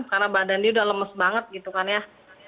karena badan dia udah lemes banget gitu kan ya